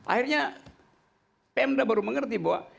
akhirnya pmd baru mengerti bahwa